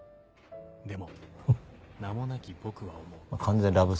［でも名もなき僕は思う］